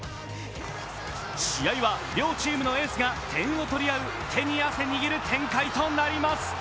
試合は両チームのエースが点を取り合う手に汗握る展開となります。